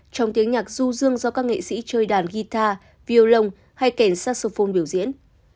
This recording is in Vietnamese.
trong tiếng nhạc du dương do các nghệ sĩ chơi đàn guitar violon hay kèn saxophone biểu diễn